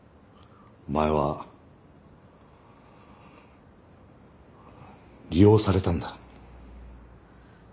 お前は利用されたんだ。